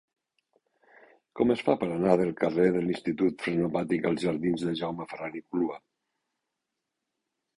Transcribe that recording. Com es fa per anar del carrer de l'Institut Frenopàtic als jardins de Jaume Ferran i Clua?